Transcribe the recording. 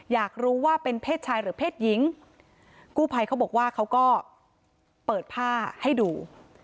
อยากรู้ว่าเป็นเพศชายหรือเพศหญิงกู้ภัยเขาบอกว่าเขาก็เปิดผ้าให้ดู